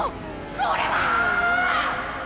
これは！？